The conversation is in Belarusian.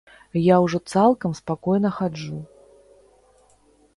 Я ўжо цалкам спакойна хаджу.